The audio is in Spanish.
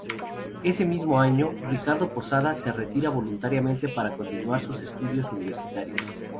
Ese mismo año, Ricardo Posada se retira voluntariamente para continuar con sus estudios universitarios.